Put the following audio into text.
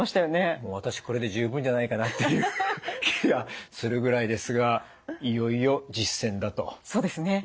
私これで十分じゃないかなっていう気がするぐらいですがいよいよ実践だということですね。